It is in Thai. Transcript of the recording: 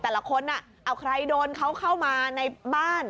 แต่ละคนเอาใครโดนเขาเข้ามาในบ้าน